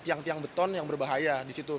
tiang tiang beton yang berbahaya disitu